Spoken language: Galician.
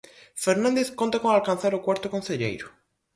Fernández conta con alcanzar o cuarto concelleiro.